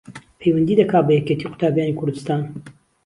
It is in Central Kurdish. پەیوەندی دەکا بە یەکێتی قوتابیانی کوردستان